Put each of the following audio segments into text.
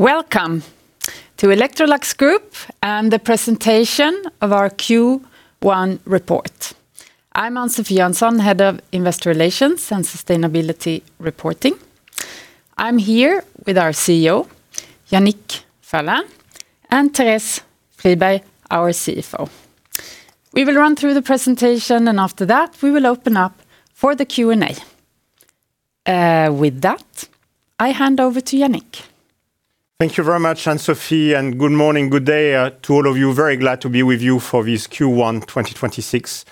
Welcome to Electrolux Group and the presentation of our Q1 report. I'm Ann-Sofi Jönsson, Head of Investor Relations & Sustainability Reporting. I'm here with our CEO, Yannick Fierling, and Therese Friberg, our CFO. We will run through the presentation, and after that, we will open up for the Q&A. With that, I hand over to Yannick. Thank you very much, Ann-Sofi, and good morning, good day to all of you. Very glad to be with you for this Q1 2026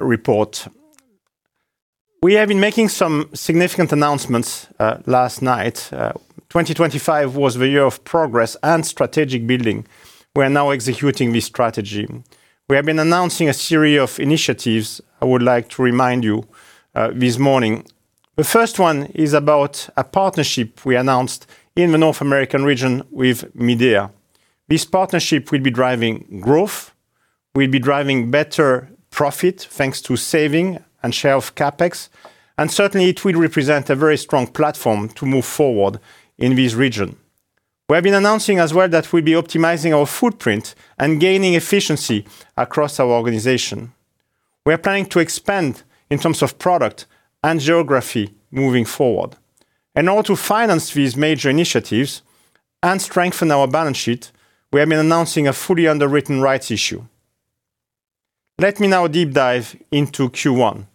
report. We have been making some significant announcements last night. 2025 was the year of progress and strategic building. We are now executing this strategy. We have been announcing a series of initiatives I would like to remind you this morning. The first one is about a partnership we announced in the North American region with Midea. This partnership will be driving growth, will be driving better profit, thanks to saving and share of CapEx, and certainly it will represent a very strong platform to move forward in this region. We have been announcing as well that we'll be optimizing our footprint and gaining efficiency across our organization. We are planning to expand in terms of product and geography moving forward. In order to finance these major initiatives and strengthen our balance sheet, we have been announcing a fully underwritten rights issue. Let me now deep dive into Q1.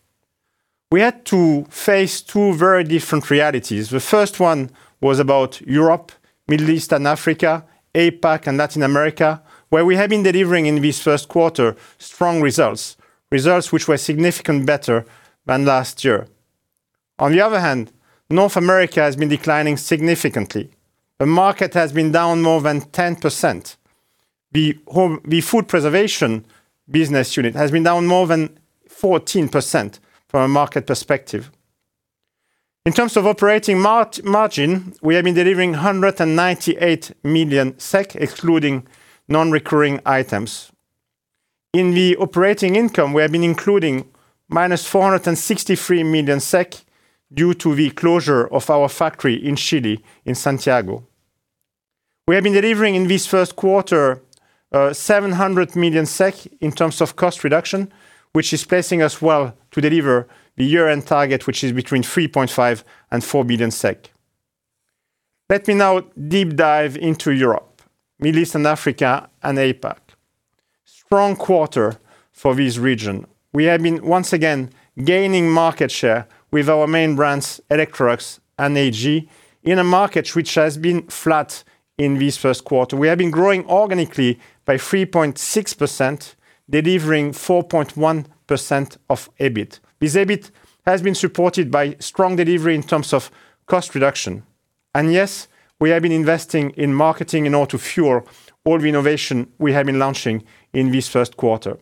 We had to face two very different realities. The first one was about Europe, Middle East and Africa, APAC, and Latin America, where we have been delivering in this Q1 strong results which were significant better than last year. On the other hand, North America has been declining significantly. The market has been down more than 10%. The food preservation business unit has been down more than 14% from a market perspective. In terms of operating margin, we have been delivering 198 million SEK, excluding non-recurring items. In the operating income, we have been including -463 million SEK due to the closure of our factory in Chile, in Santiago. We have been delivering in this Q1 700 million SEK in terms of cost reduction, which is placing us well to deliver the year-end target, which is between 3.5 billion and 4 billion SEK. Let me now deep dive into Europe, Middle East and Africa, and APAC. Strong quarter for this region. We have been, once again, gaining market share with our main brands, Electrolux and AEG, in a market which has been flat in this Q1. We have been growing organically by 3.6%, delivering 4.1% of EBIT. This EBIT has been supported by strong delivery in terms of cost reduction. Yes, we have been investing in marketing in order to fuel all the innovation we have been launching in this Q1.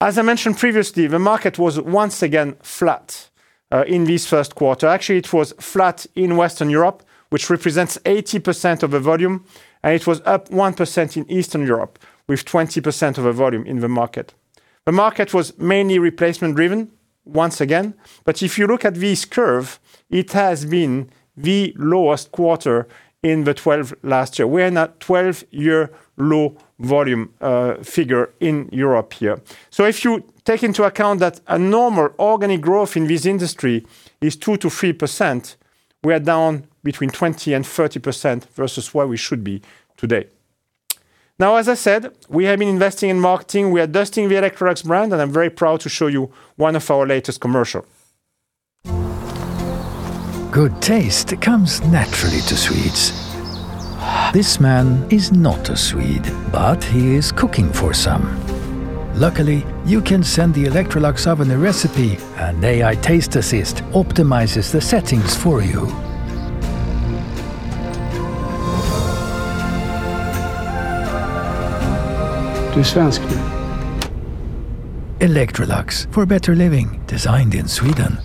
As I mentioned previously, the market was once again flat, in this Q1. Actually, it was flat in Western Europe, which represents 80% of the volume, and it was up 1% in Eastern Europe, with 20% of the volume in the market. The market was mainly replacement driven once again, but if you look at this curve, it has been the lowest quarter in the last 12 years. We're in a 12-year low volume figure in Europe here. If you take into account that a normal organic growth in this industry is 2%-3%, we are down between 20%-30% versus where we should be today. Now, as I said, we have been investing in marketing. We are dusting off the Electrolux brand, and I'm very proud to show you one of our latest commercial. Good taste comes naturally to Swedes. This man is not a Swede, but he is cooking for some. Luckily, you can send the Electrolux oven a recipe, and AI TasteAssist optimizes the settings for you. "Du är svensk nu." Electrolux, for better living. Designed in Sweden.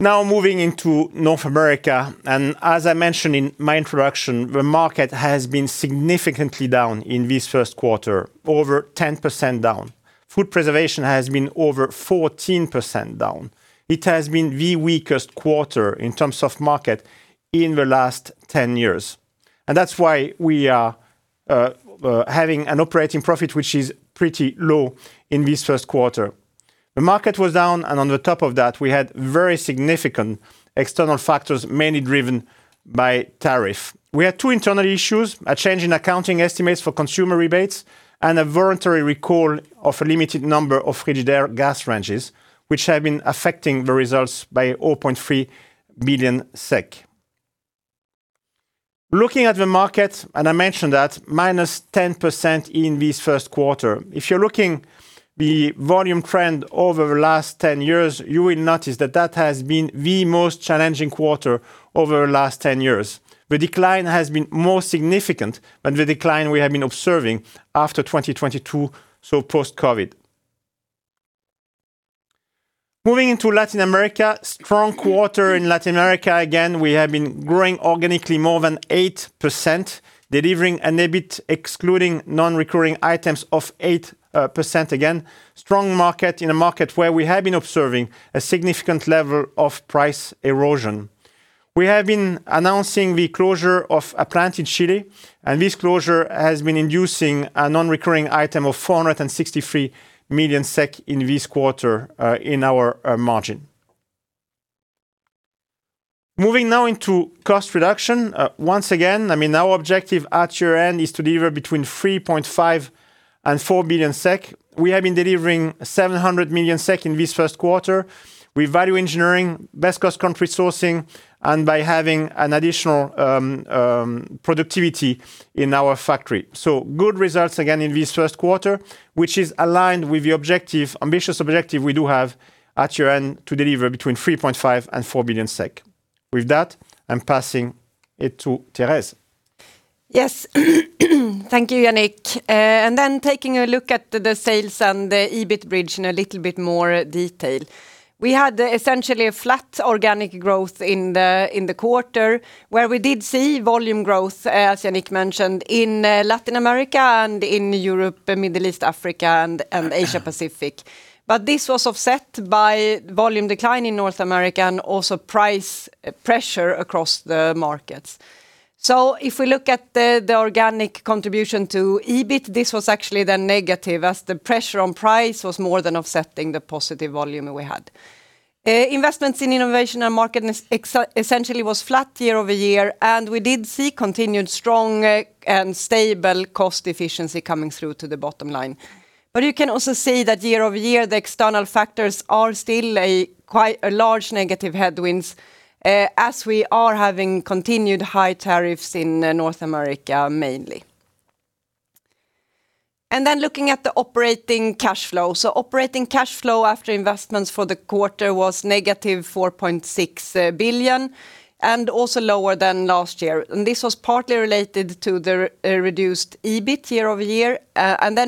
Now moving into North America, as I mentioned in my introduction, the market has been significantly down in this Q1, over 10% down. Food Preservation has been over 14% down. It has been the weakest quarter in terms of market in the last 10 years, that's why we are having an operating profit, which is pretty low in this Q1. The market was down, on top of that, we had very significant external factors, mainly driven by tariff. We had two internal issues, a change in accounting estimates for consumer rebates, and a voluntary recall of a limited number of Frigidaire gas ranges, which have been affecting the results by 0.3 million SEK. Looking at the market, I mentioned that, -10% in this Q1. If you're looking at the volume trend over the last 10 years, you will notice that has been the most challenging quarter over the last 10 years. The decline has been more significant than the decline we have been observing after 2022, so post-COVID. Moving into Latin America, strong quarter in Latin America again. We have been growing organically more than 8%, delivering an EBIT excluding non-recurring items of 8% again. Strong market in a market where we have been observing a significant level of price erosion. We have been announcing the closure of a plant in Chile, and this closure has been incurring a non-recurring item of 463 million SEK in this quarter in our margin. Moving now into cost reduction. Once again, our objective at year-end is to deliver between 3.5 billion and 4 billion SEK. We have been delivering 700 million SEK in this Q1 with value engineering, best cost country sourcing, and by having additional productivity in our factory. Good results again in this Q1, which is aligned with the ambitious objective we do have at year-end to deliver between 3.5 billion and 4 billion SEK. With that, I'm passing it to Therese. Yes. Thank you, Yannick. Then taking a look at the sales and the EBIT bridge in a little bit more detail. We had essentially a flat organic growth in the quarter where we did see volume growth, as Yannick mentioned, in Latin America and in Europe, and Middle East, Africa, and Asia Pacific. This was offset by volume decline in North America and also price pressure across the markets. If we look at the organic contribution to EBIT, this was actually then negative as the pressure on price was more than offsetting the positive volume that we had. Investments in innovation and market essentially was flat year-over-year, and we did see continued strong and stable cost efficiency coming through to the bottom line. You can also see that year-over-year, the external factors are still quite large negative headwinds, as we are having continued high tariffs in North America mainly. Looking at the operating cash flow. Operating cash flow after investments for the quarter was negative 4.6 billion and also lower than last year. This was partly related to the reduced EBIT year-over-year.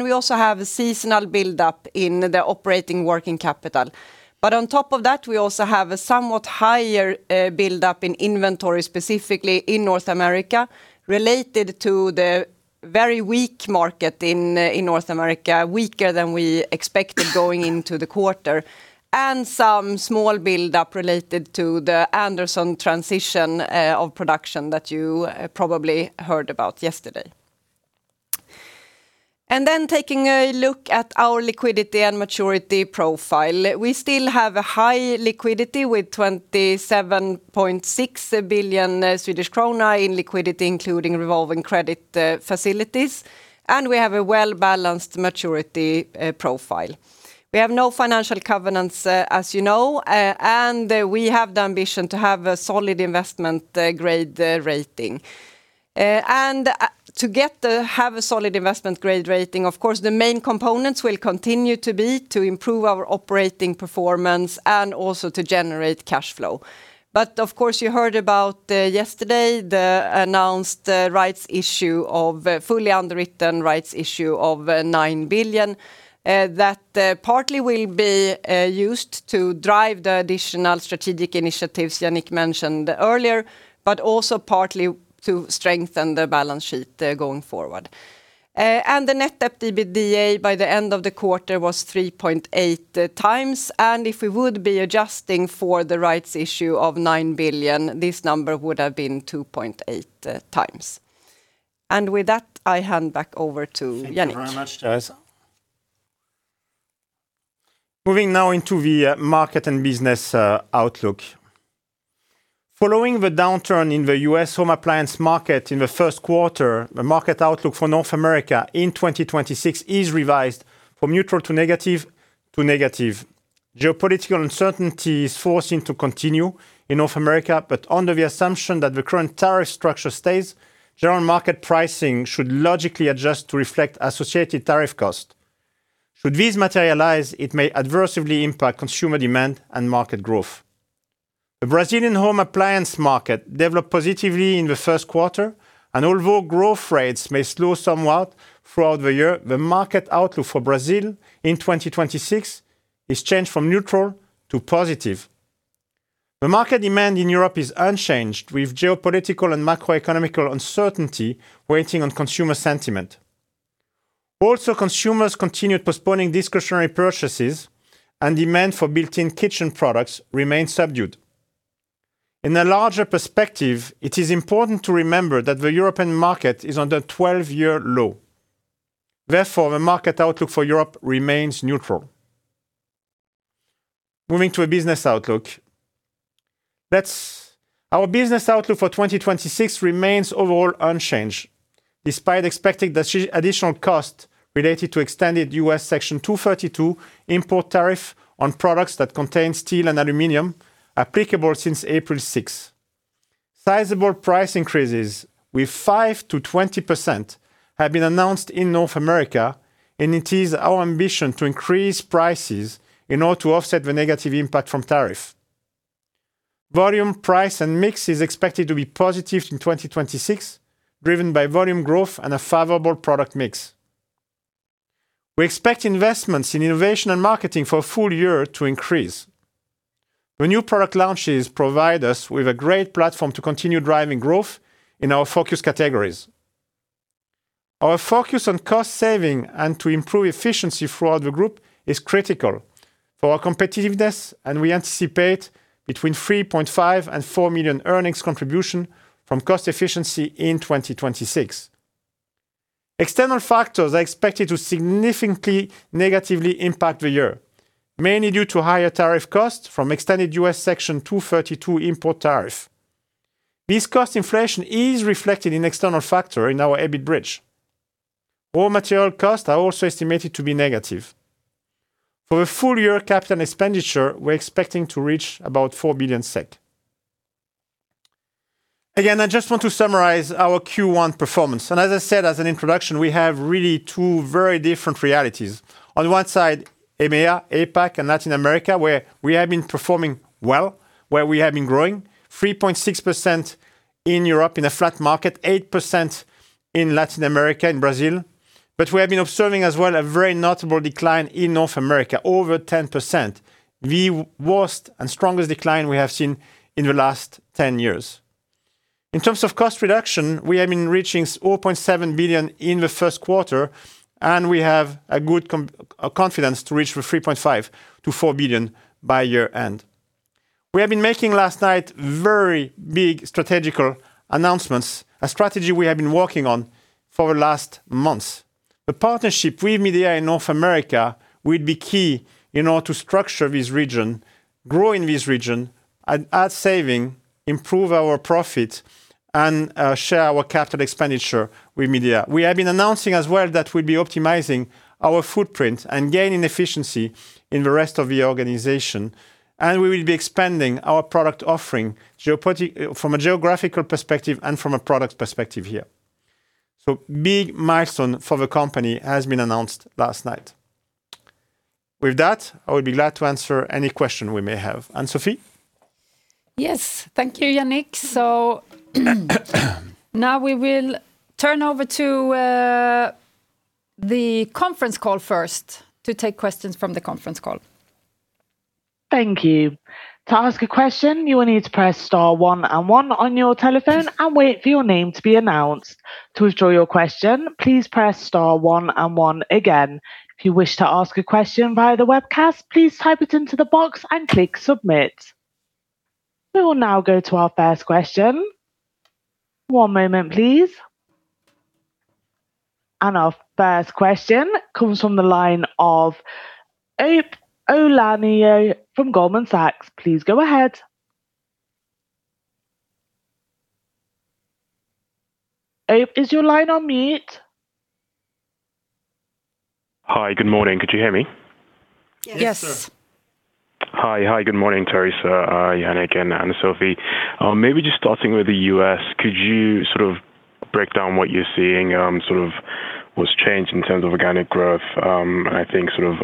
We also have a seasonal buildup in the operating working capital. On top of that, we also have a somewhat higher buildup in inventory, specifically in North America, related to the very weak market in North America, weaker than we expected going into the quarter, and some small buildup related to the Anderson transition of production that you probably heard about yesterday. Taking a look at our liquidity and maturity profile. We still have a high liquidity with 27.6 billion Swedish krona in liquidity, including revolving credit facilities, and we have a well-balanced maturity profile. We have no financial covenants, as you know, and we have the ambition to have a solid investment-grade rating. To have a solid investment-grade rating, of course, the main components will continue to be to improve our operating performance and also to generate cash flow. Of course, you heard about yesterday, the announced fully underwritten rights issue of 9 billion, that partly will be used to drive the additional strategic initiatives Yannick mentioned earlier, but also partly to strengthen the balance sheet going forward. The net debt to EBITDA by the end of the quarter was 3.8x, and if we would be adjusting for the rights issue of 9 billion, this number would have been 2.8x. With that, I hand back over to Yannick. Thank you very much, Therese. Moving now into the market and business outlook. Following the downturn in the U.S. home appliance market in the Q1, the market outlook for North America in 2026 is revised from neutral to negative to negative. Geopolitical uncertainty is forecast to continue in North America, but under the assumption that the current tariff structure stays, general market pricing should logically adjust to reflect associated tariff cost. Should this materialize, it may adversely impact consumer demand and market growth. The Brazilian home appliance market developed positively in the Q1, and although growth rates may slow somewhat throughout the year, the market outlook for Brazil in 2026 is changed from neutral to positive. The market demand in Europe is unchanged, with geopolitical and macroeconomic uncertainty weighing on consumer sentiment. Also, consumers continued postponing discretionary purchases and demand for built-in kitchen products remained subdued. In a larger perspective, it is important to remember that the European market is on their 12-year low. Therefore, the market outlook for Europe remains neutral. Moving to a business outlook. Our business outlook for 2026 remains overall unchanged despite expecting the additional cost related to extended U.S. Section 232 import tariff on products that contain steel and aluminum applicable since April 6th. Sizable price increases with 5%-20% have been announced in North America, and it is our ambition to increase prices in order to offset the negative impact from tariff. Volume, price, and mix is expected to be positive in 2026, driven by volume growth and a favorable product mix. We expect investments in innovation and marketing for a full year to increase. The new product launches provide us with a great platform to continue driving growth in our focus categories. Our focus on cost saving and to improve efficiency throughout the group is critical for our competitiveness, and we anticipate between 3.5 million and 4 million earnings contribution from cost efficiency in 2026. External factors are expected to significantly negatively impact the year, mainly due to higher tariff costs from extended U.S. Section 232 import tariff. This cost inflation is reflected in external factor in our EBIT bridge. Raw material costs are also estimated to be negative. For the full year capital expenditure, we're expecting to reach about 4 billion SEK. Again, I just want to summarize our Q1 performance. As I said, as an introduction, we have really two very different realities. On one side, EMEA, APAC, and Latin America, where we have been performing well, where we have been growing 3.6% in Europe in a flat market, 8% in Latin America and Brazil. We have been observing as well a very notable decline in North America, over 10%, the worst and strongest decline we have seen in the last 10 years. In terms of cost reduction, we have been reaching 0.7 billion in the Q1, and we have a good confidence to reach 3.5 billion-4 billion by year-end. We have been making last night very big strategic announcements, a strategy we have been working on for the last months. The partnership with Midea in North America will be key in order to structure this region, grow in this region, and add savings, improve our profit, and share our capital expenditure with Midea. We have been announcing as well that we'll be optimizing our footprint and gaining efficiency in the rest of the organization, and we will be expanding our product offering from a geographical perspective and from a product perspective here. Big milestone for the company has been announced last night. With that, I would be glad to answer any question we may have. Ann-Sofi? Yes. Thank you, Yannick. Now we will turn over to the conference call first to take questions from the conference call. Thank you. To ask a question, you will need to press star one and one on your telephone and wait for your name to be announced. To withdraw your question, please press star one and one again. If you wish to ask a question via the webcast, please type it into the box and click submit. We will now go to our first question. One moment, please. Our first question comes from the line of Ope Otaniyi from Goldman Sachs. Please go ahead. Ope, is your line on mute? Hi. Good morning. Could you hear me? Yes. Yes, sir. Hi. Good morning, Therese Friberg, Yannick Fierling, and Ann-Sofi Jönsson. Maybe just starting with the U.S., could you sort of break down what you're seeing, sort of what's changed in terms of organic growth? I think sort of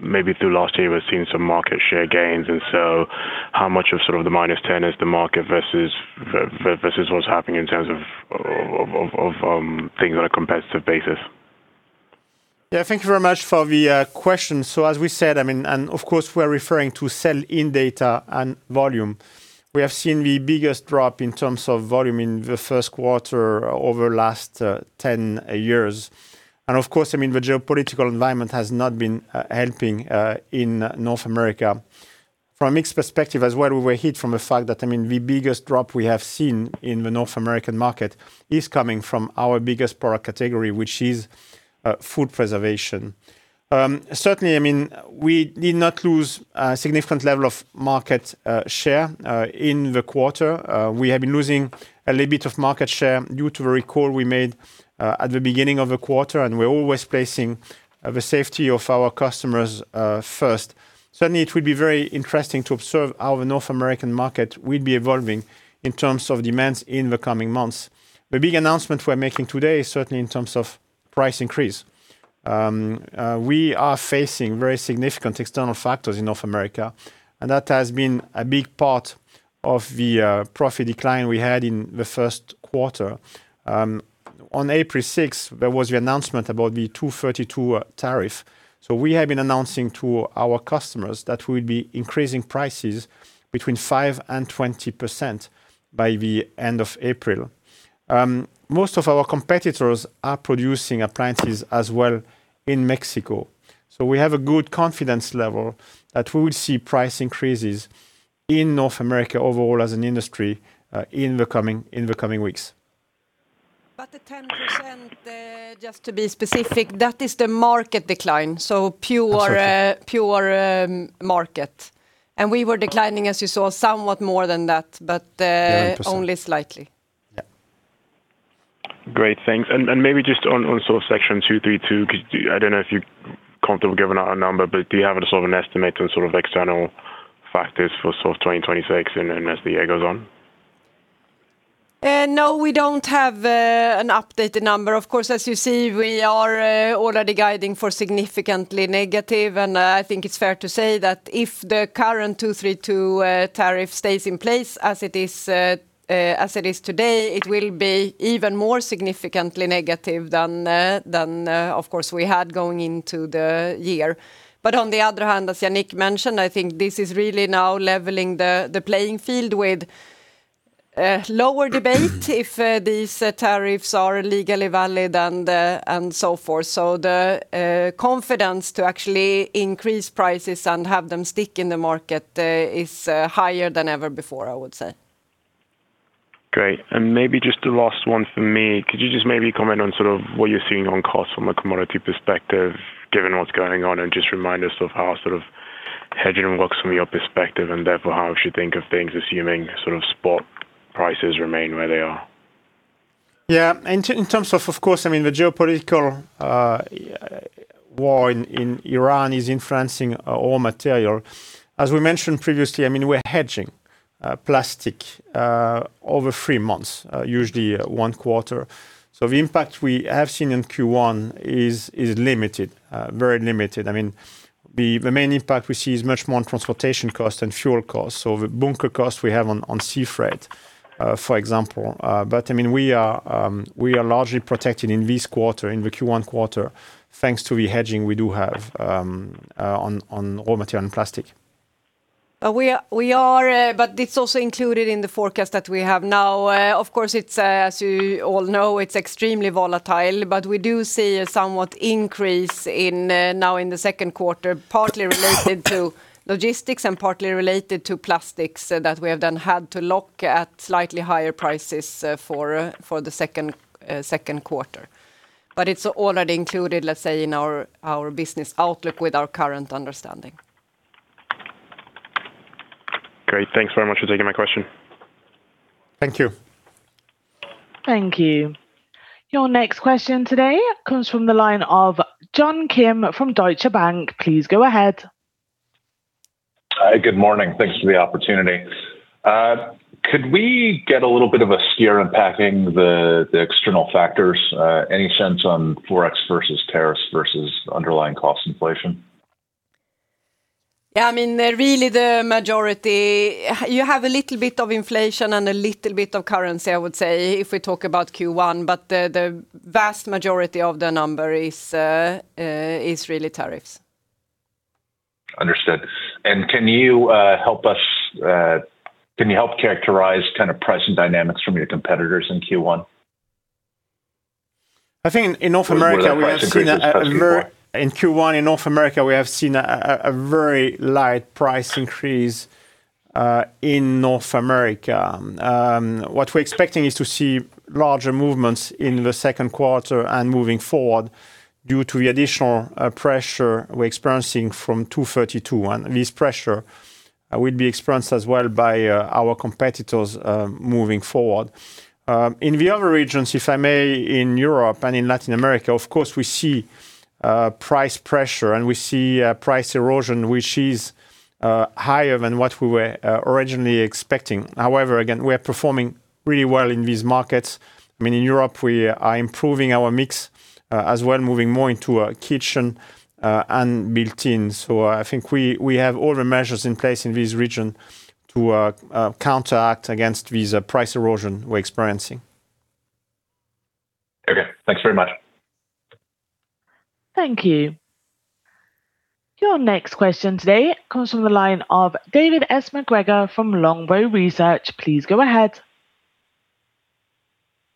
maybe through last year we've seen some market share gains, and so how much of sort of the -10% is the market versus what's happening in terms of things on a competitive basis? Yeah. Thank you very much for the question. As we said, and of course we're referring to sell-in data and volume. We have seen the biggest drop in terms of volume in the Q1 over the last 10 years. Of course, the geopolitical environment has not been helping in North America. From a mix perspective as well, we were hit from the fact that the biggest drop we have seen in the North American market is coming from our biggest product category, which is food preservation. Certainly, we did not lose a significant level of market share in the quarter. We have been losing a little bit of market share due to the recall we made at the beginning of the quarter, and we're always placing the safety of our customers first. Certainly, it will be very interesting to observe how the North American market will be evolving in terms of demands in the coming months. The big announcement we're making today is certainly in terms of price increase. We are facing very significant external factors in North America, and that has been a big part of the profit decline we had in the Q1. On April 6th, there was the announcement about the Section 232 tariff. We have been announcing to our customers that we'll be increasing prices between 5% and 20% by the end of April. Most of our competitors are producing appliances as well in Mexico. We have a good confidence level that we will see price increases in North America overall as an industry, in the coming weeks. The 10%, just to be specific, that is the market decline. That's okay. Poor market. We were declining, as you saw, somewhat more than that. Yeah. Only slightly. Yeah. Great. Thanks. Maybe just on sort of Section 232, because I don't know if you're comfortable giving out a number, but do you have sort of an estimate on sort of external factors for sort of 2026 and as the year goes on? No, we don't have an updated number. Of course, as you see, we are already guiding for significantly negative, and I think it's fair to say that if the current 232 tariff stays in place as it is today, it will be even more significantly negative than of course we had going into the year. On the other hand, as Yannick mentioned, I think this is really now leveling the playing field with a lower debate if these tariffs are legally valid and so forth. The confidence to actually increase prices and have them stick in the market is higher than ever before, I would say. Great. Maybe just the last one from me. Could you just maybe comment on sort of what you're seeing on costs from a commodity perspective, given what's going on, and just remind us of how sort of hedging works from your perspective and therefore how we should think of things assuming sort of spot prices remain where they are? Yeah. In terms of course, the geopolitical war in Ukraine is influencing our raw material. As we mentioned previously, we're hedging plastic over three months, usually one quarter. The impact we have seen in Q1 is limited, very limited. The main impact we see is much more on transportation costs than fuel costs. The bunker costs we have on sea freight, for example. We are largely protected in this quarter, in the Q1 quarter, thanks to the hedging we do have on raw material and plastic. It's also included in the forecast that we have now. Of course, as you all know, it's extremely volatile, but we do see a somewhat increase now in the Q2, partly related to logistics and partly related to plastics that we have then had to lock at slightly higher prices for the Q2. It's already included, let's say, in our business outlook with our current understanding. Great. Thanks very much for taking my question. Thank you. Thank you. Your next question today comes from the line of John Kim from Deutsche Bank. Please go ahead. Hi. Good morning. Thanks for the opportunity. Could we get a little bit of a steer unpacking the external factors? Any sense on Forex versus tariffs versus underlying cost inflation? Yeah, really the majority, you have a little bit of inflation and a little bit of currency, I would say, if we talk about Q1, but the vast majority of the number is really tariffs. Understood. Can you help characterize kind of pricing dynamics from your competitors in Q1? I think in North America, we have seen a very Is more of that price increases pushing forward? In Q1 in North America, we have seen a very light price increase in North America. What we're expecting is to see larger movements in the Q2 and moving forward due to the additional pressure we're experiencing from Section 232, and this pressure will be experienced as well by our competitors moving forward. In the other regions, if I may, in Europe and in Latin America, of course, we see price pressure and we see price erosion, which is higher than what we were originally expecting. However, again, we are performing really well in these markets. In Europe, we are improving our mix, as well as moving more into kitchen and built-ins. I think we have all the measures in place in this region to counteract against this price erosion we're experiencing. Okay, thanks very much. Thank you. Your next question today comes from the line of David MacGregor from Longbow Research. Please go ahead.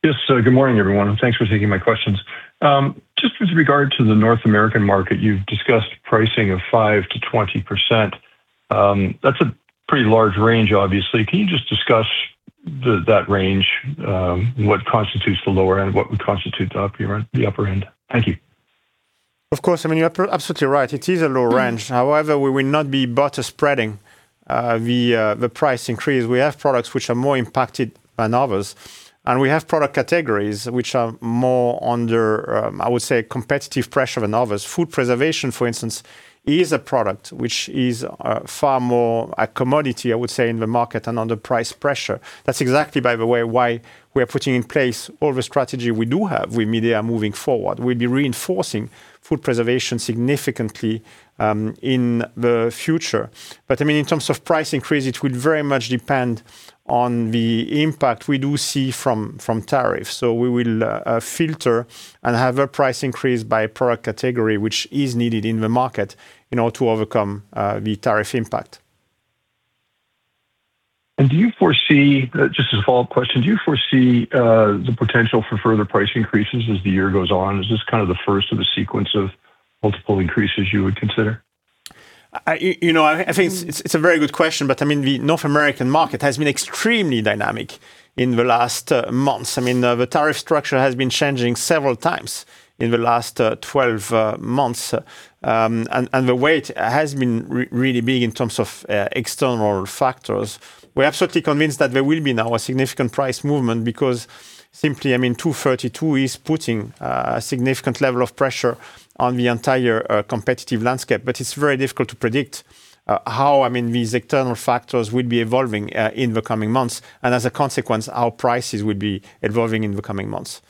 Yes, good morning, everyone, and thanks for taking my questions. Just with regard to the North American market, you've discussed pricing of 5%-20%. That's a pretty large range, obviously. Can you just discuss that range? What constitutes the lower end? What would constitute the upper end? Thank you. Of course. You're absolutely right. It is a low range. However, we will not be broadly spreading the price increase. We have products which are more impacted than others, and we have product categories which are more under, I would say, competitive pressure than others. Food preservation, for instance, is a product which is far more a commodity, I would say, in the market and under price pressure. That's exactly, by the way, why we are putting in place all the strategy we do have with Midea moving forward. We'll be reinforcing food preservation significantly in the future. In terms of price increase, it will very much depend on the impact we do see from tariffs. We will tailor a price increase by product category, which is needed in the market to overcome the tariff impact. Do you foresee, just as a follow-up question, the potential for further price increases as the year goes on? Is this kind of the first of a sequence of multiple increases you would consider? I think it's a very good question, but the North American market has been extremely dynamic in the last months. The tariff structure has been changing several times in the last 12 months. The weight has been really big in terms of external factors. We're absolutely convinced that there will be now a significant price movement because simply, 232 is putting a significant level of pressure on the entire competitive landscape. It's very difficult to predict how these external factors will be evolving in the coming months, and as a consequence, our prices will be evolving in the coming months.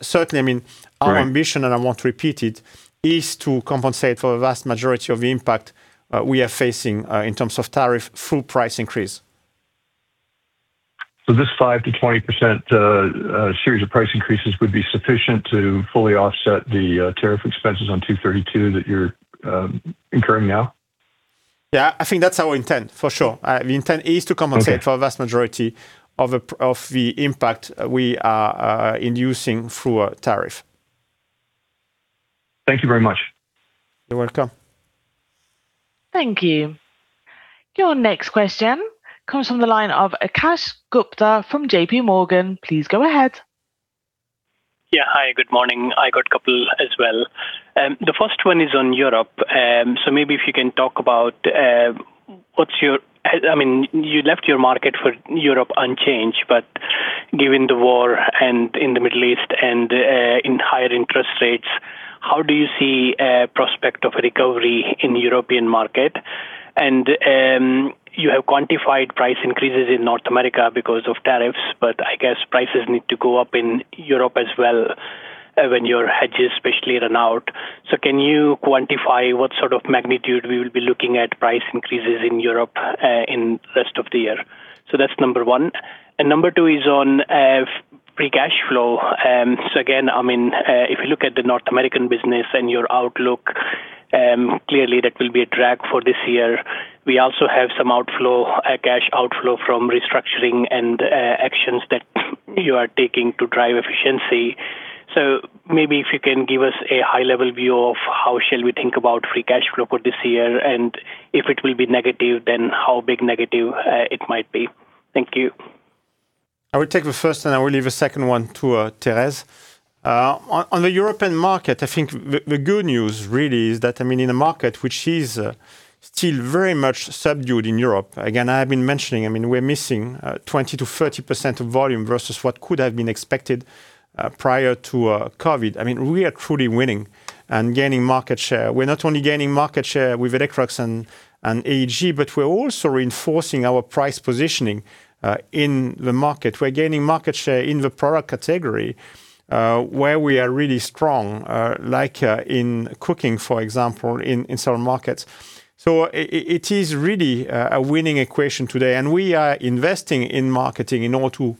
Certainly, our ambition- Right I won't repeat it, is to compensate for the vast majority of the impact we are facing in terms of tariff full price increase. This 5%-20% series of price increases would be sufficient to fully offset the tariff expenses on 232 that you're incurring now? Yeah, I think that's our intent for sure. The intent is to compensate. Okay. For a vast majority of the impact we are incurring through a tariff. Thank you very much. You're welcome. Thank you. Your next question comes from the line of Akash Gupta from JPMorgan. Please go ahead. Yeah. Hi, good morning. I got couple as well. The first one is on Europe. Maybe if you can talk about, you left your market for Europe unchanged, but given the war in the Middle East and in higher interest rates, how do you see a prospect of recovery in the European market? You have quantified price increases in North America because of tariffs, but I guess prices need to go up in Europe as well when your hedges especially run out. Can you quantify what sort of magnitude we will be looking at price increases in Europe in the rest of the year? That's number one. Number two is on free cash flow. Again, if you look at the North American business and your outlook, clearly that will be a drag for this year. We also have some cash outflow from restructuring and actions that you are taking to drive efficiency. Maybe if you can give us a high-level view of how shall we think about free cash flow for this year, and if it will be negative, then how big negative it might be. Thank you. I will take the first, and I will leave the second one to Therese. On the European market, I think the good news really is that in a market which is still very much subdued in Europe, again, I have been mentioning, we're missing 20%-30% of volume versus what could have been expected prior to COVID. We are truly winning and gaining market share. We're not only gaining market share with Electrolux and AEG, but we're also reinforcing our price positioning in the market. We're gaining market share in the product category, where we are really strong, like in cooking, for example, in some markets. It is really a winning equation today, and we are investing in marketing in order to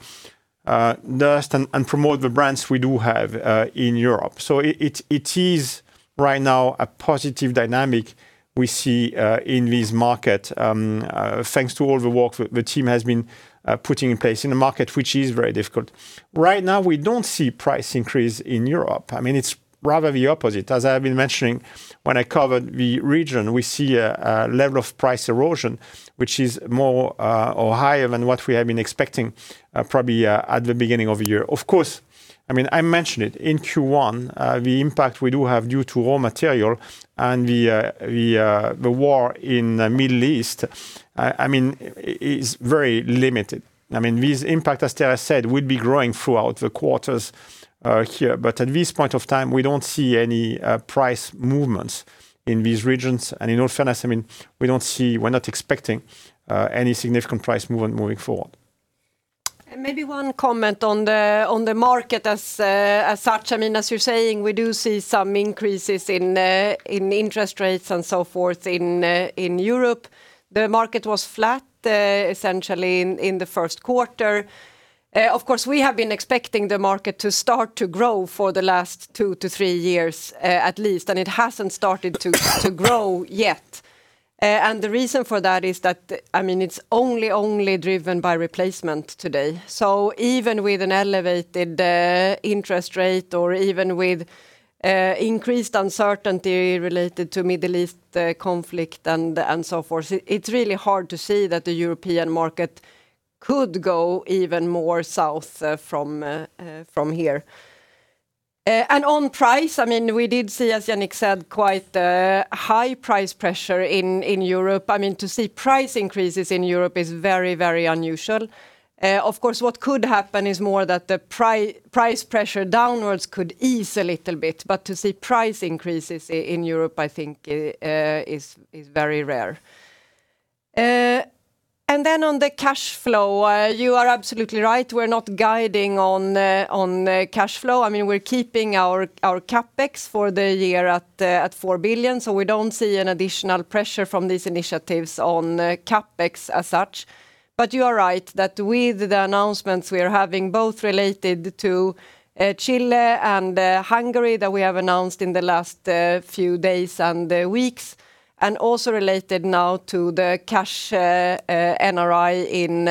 nurse and promote the brands we do have in Europe. It is right now a positive dynamic we see in this market, thanks to all the work the team has been putting in place in a market which is very difficult. Right now, we don't see price increase in Europe. It's rather the opposite. As I've been mentioning, when I covered the region, we see a level of price erosion, which is more or higher than what we have been expecting probably at the beginning of the year. Of course, I mentioned it in Q1, the impact we do have due to raw material and the war in the Middle East is very limited. This impact, as Therese said, will be growing throughout the quarters here. But at this point of time, we don't see any price movements in these regions. In all fairness, we're not expecting any significant price movement moving forward. Maybe one comment on the market as such. As you're saying, we do see some increases in interest rates and so forth in Europe. The market was flat, essentially, in the Q1. Of course, we have been expecting the market to start to grow for the last 2-3 years, at least, and it hasn't started to grow yet. The reason for that is that it's only driven by replacement today. Even with an elevated interest rate or even with increased uncertainty related to Middle East conflict and so forth, it's really hard to say that the European market could go even more south from here. On price, we did see, as Yannick said, quite high price pressure in Europe. To see price increases in Europe is very unusual. Of course, what could happen is more that the price pressure downwards could ease a little bit. To see price increases, in Europe, I think, is very rare. On the cash flow, you are absolutely right. We're not guiding on cash flow. We're keeping our CapEx for the year at 4 billion. We don't see an additional pressure from these initiatives on CapEx as such. You are right that with the announcements we are having, both related to Chile and Hungary, that we have announced in the last few days and weeks, and also related now to the cash NRI in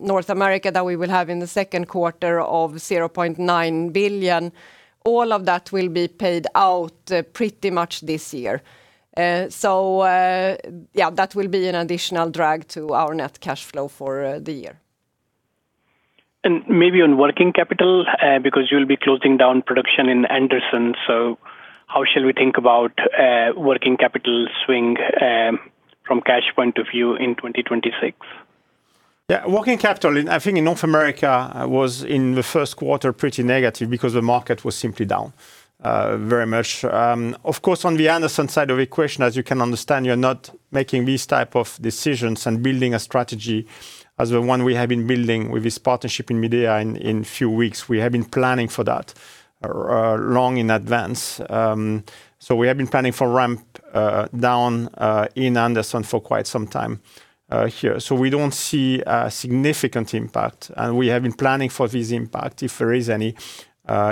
North America that we will have in the Q2 of 0.9 billion. All of that will be paid out pretty much this year. Yeah, that will be an additional drag to our net cash flow for the year. Maybe on working capital, because you'll be closing down production in Anderson, so how shall we think about working capital swing from cash point of view in 2026? Yeah. Working capital, I think in North America, was in the Q1 pretty negative because the market was simply down very much. Of course, on the Anderson side of the equation, as you can understand, you're not making these type of decisions and building a strategy as the one we have been building with this partnership with Midea in a few weeks. We have been planning for that long in advance. We have been planning for ramp down in Anderson for quite some time here. We don't see a significant impact. We have been planning for this impact, if there is any,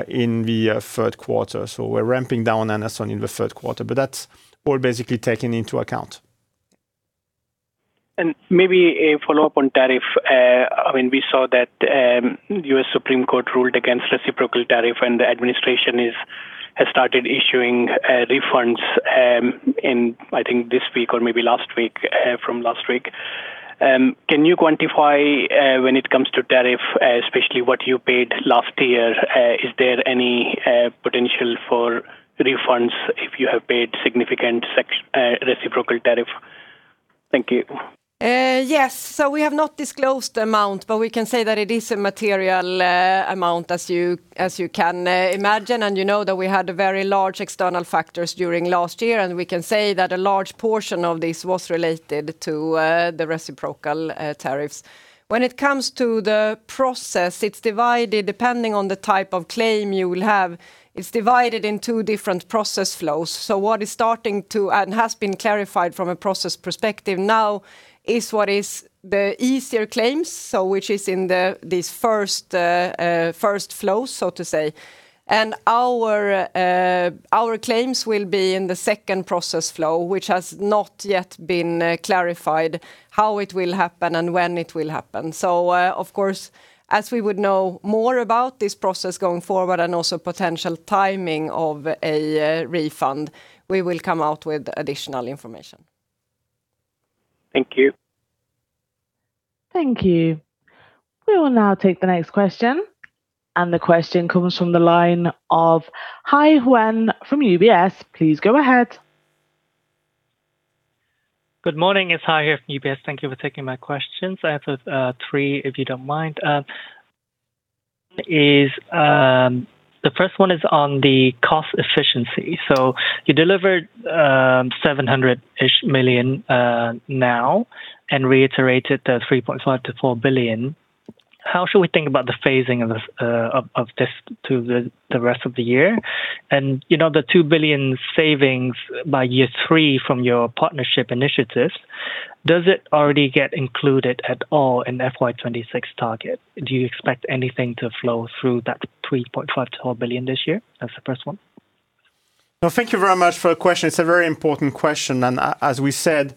in the Q3. We're ramping down in Anderson in the Q3. That's all basically taken into account. Maybe a follow-up on tariff. We saw that U.S. Supreme Court ruled against reciprocal tariff and the administration has started issuing refunds in, I think, this week or maybe from last week. Can you quantify when it comes to tariff, especially what you paid last year? Is there any potential for refunds if you have paid significant reciprocal tariff? Thank you. Yes. We have not disclosed the amount, but we can say that it is a material amount as you can imagine. You know that we had very large external factors during last year, and we can say that a large portion of this was related to the reciprocal tariffs. When it comes to the process, depending on the type of claim you will have, it's divided in two different process flows. What has been clarified from a process perspective now is what is the easier claims, so which is in these first flow, so to say. Our claims will be in the second process flow, which has not yet been clarified how it will happen and when it will happen. Of course, as we would know more about this process going forward and also potential timing of a refund, we will come out with additional information. Thank you. Thank you. We will now take the next question, and the question comes from the line of Hai Huynh from UBS. Please go ahead. Good morning. It's Hai Huynh here from UBS. Thank you for taking my questions. I have three, if you don't mind. The first one is on the cost efficiency. You delivered 700-ish million now and reiterated the 3.5 billion-4 billion. How should we think about the phasing of this to the rest of the year? The 2 billion savings by year three from your partnership initiatives, does it already get included at all in FY 2026 target? Do you expect anything to flow through that 3.5 billion-4 billion this year? That's the first one. Well, thank you very much for the question. It's a very important question, and as we said,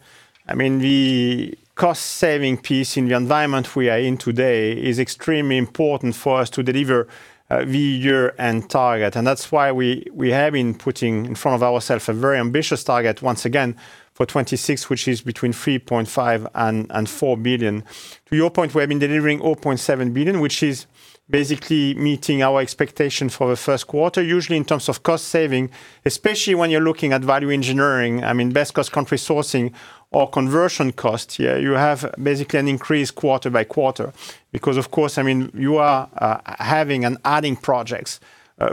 the cost saving piece in the environment we are in today is extremely important for us to deliver the year-end target. That's why we have been putting in front of ourselves a very ambitious target, once again, for 2026, which is between 3.5 billion and 4 billion. To your point, we have been delivering 0.7 billion, which is basically meeting our expectation for the Q1. Usually, in terms of cost saving, especially when you're looking at value engineering, best cost country sourcing or conversion costs, you have basically an increase quarter by quarter. Because of course, you are having and adding projects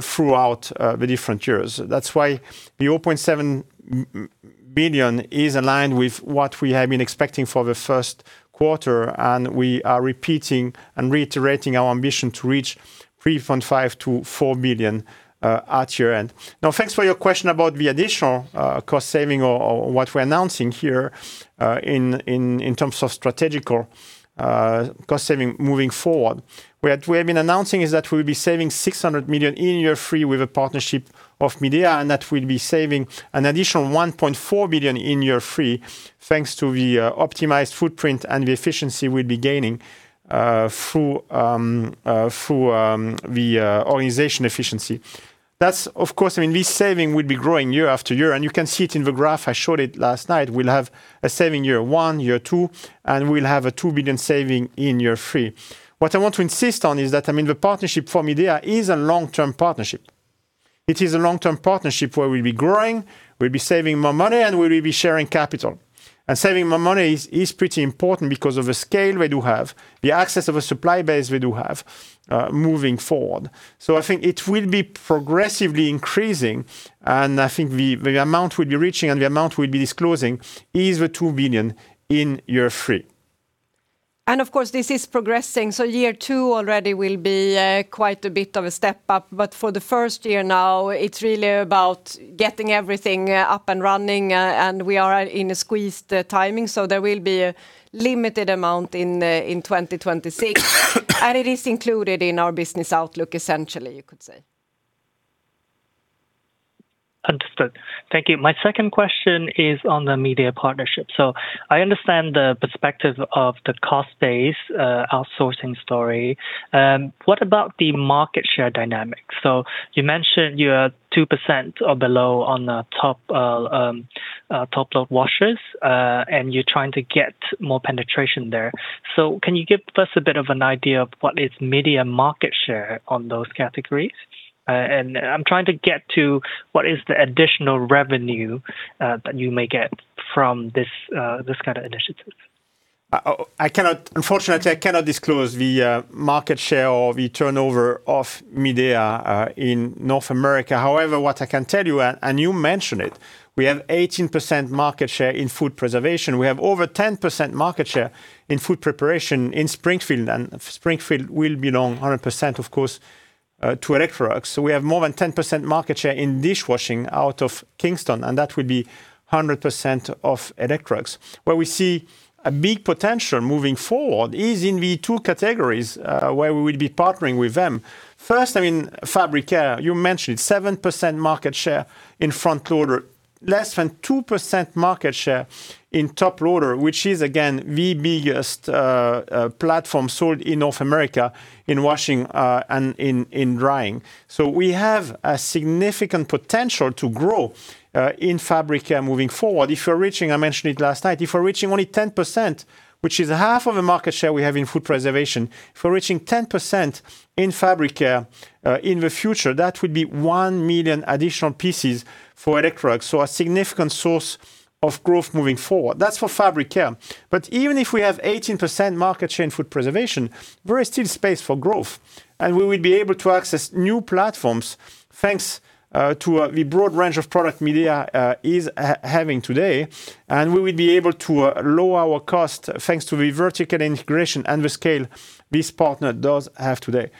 throughout the different years. That's why the 0.7 billion is aligned with what we have been expecting for the Q1, and we are repeating and reiterating our ambition to reach 3.5 billion-4 billion at year-end. Now, thanks for your question about the additional cost saving or what we're announcing here, in terms of strategic cost saving moving forward. What we have been announcing is that we'll be saving 600 million in year three with a partnership of Midea, and that we'll be saving an additional 1.4 billion in year three, thanks to the optimized footprint and the efficiency we'll be gaining through the organization efficiency. This saving will be growing year after year, and you can see it in the graph. I showed it last night. We'll have a saving year one, year two, and we'll have a 2 billion saving in year three. What I want to insist on is that the partnership for Midea is a long-term partnership. It is a long-term partnership where we'll be growing, we'll be saving more money, and we will be sharing capital. Saving more money is pretty important because of the scale we do have, the access of a supply base we do have moving forward. I think it will be progressively increasing, and I think the amount we'll be reaching and the amount we'll be disclosing is the 2 billion in year three. Of course this is progressing, so year two already will be quite a bit of a step up. For the first year now, it's really about getting everything up and running, and we are in a squeezed timing. There will be a limited amount in 2026. It is included in our business outlook, essentially, you could say. Understood. Thank you. My second question is on the Midea partnership. I understand the perspective of the cost base outsourcing story. What about the market share dynamics? You mentioned you are 2% or below on the top load washers, and you're trying to get more penetration there. Can you give us a bit of an idea of what is Midea market share on those categories? I'm trying to get to what is the additional revenue that you may get from this kind of initiative? Unfortunately, I cannot disclose the market share or the turnover of Midea in North America. However, what I can tell you, and you mentioned it, we have 18% market share in food preservation. We have over 10% market share in food preparation in Springfield, and Springfield will belong 100%, of course, to Electrolux. We have more than 10% market share in dishwashing out of Kinston, and that will be 100% of Electrolux. Where we see a big potential moving forward is in the two categories, where we will be partnering with them. First, fabric care. You mentioned 7% market share in front loader. Less than 2% market share in top loader, which is again, the biggest platform sold in North America in washing and in drying. We have a significant potential to grow in fabric care moving forward. I mentioned it last night, if we're reaching only 10%, which is half of the market share we have in food preservation, if we're reaching 10% in fabric care in the future, that would be 1 million additional pieces for Electrolux. A significant source of growth moving forward. That's for fabric care. Even if we have 18% market share in food preservation, there is still space for growth, and we will be able to access new platforms thanks to the broad range of product Midea is having today. We will be able to lower our cost thanks to the vertical integration and the scale this partner does have today.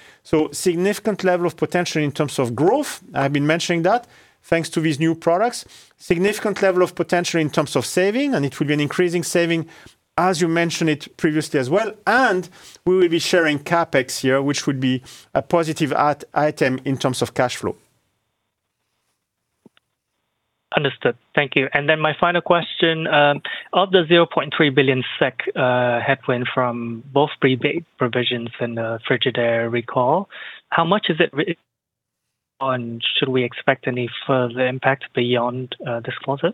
Significant level of potential in terms of growth, I have been mentioning that, thanks to these new products. Significant level of potential in terms of saving, and it will be an increasing saving as you mentioned it previously as well. We will be sharing CapEx here, which would be a positive item in terms of cash flow. Understood. Thank you. My final question, of the 0.3 billion SEK headwind from both rebate provisions and Frigidaire recall, how much is it, or should we expect any further impact beyond this quarter?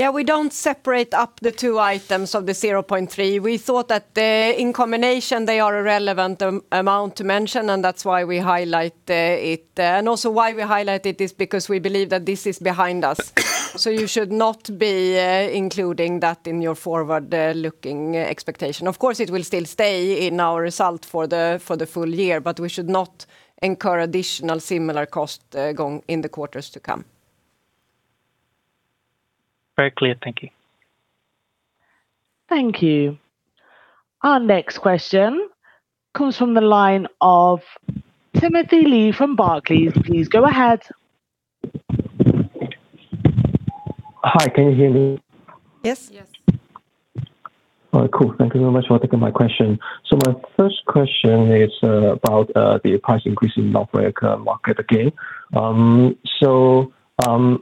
Yeah, we don't separate out the two items of the 0.3. We thought that in combination, they are a relevant amount to mention, and that's why we highlight it. Why we highlight it is because we believe that this is behind us. You should not be including that in your forward-looking expectation. Of course, it will still stay in our result for the full year, but we should not incur additional similar cost going into the quarters to come. Very clear. Thank you. Thank you. Our next question comes from the line of Timothy Lee from Barclays. Please go ahead. Hi, can you hear me? Yes. Yes. All right, cool. Thank you very much for taking my question. My first question is about the price increase in North America market again.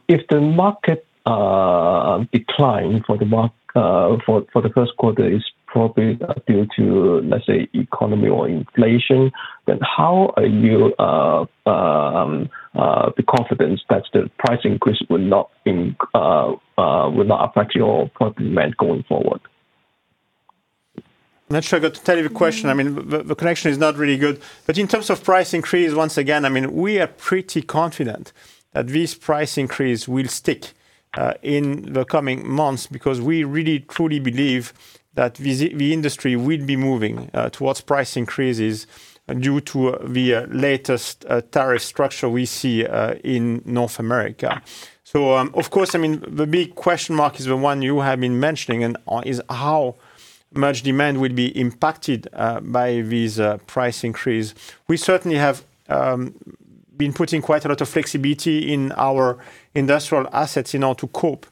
If the market decline for the Q1 is probably due to, let's say, economy or inflation, then how do you have the confidence that the price increase will not affect your product demand going forward? Not sure I got the tail of your question. The connection is not really good. In terms of price increase, once again, we are pretty confident that this price increase will stick in the coming months because we really, truly believe that the industry will be moving towards price increases due to the latest tariff structure we see in North America. Of course, the big question mark is the one you have been mentioning, and is how much demand will be impacted by this price increase. We certainly have been putting quite a lot of flexibility in our industrial assets in order to cope